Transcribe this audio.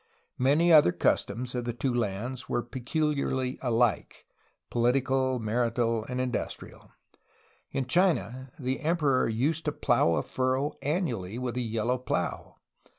Many other cus toms of the two lands were peculiarly alike, — political, marital, and industrial. In China the emperor used to plough a furrow annually with a yellow plough.